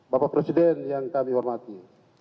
bapak presiden yang kami hormati